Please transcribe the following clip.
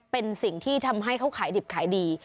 เป็นสิ่งที่ทำให้เขาขายดิบขายดี